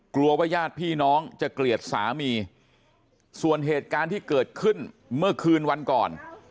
กลัวว่าญาติพี่น้องจะเกลียดสามีส่วนเหตุการณ์ที่เกิดขึ้นเมื่อคืนวันก่อน